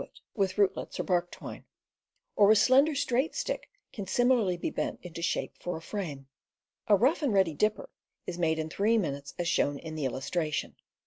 270 CAMPING AND WOODCRAFT rootlets or bark twine; or a slender straight stick can similarly be bent into shape for a frame. A rough and ready dipper is made in three minutes as shown in the illustration.